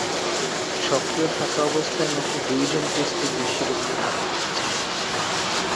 সক্রিয় থাকা অবস্থায় মাত্র দুইজন কুস্তিগির শিরোপাটি ধারণ করেছিলেন।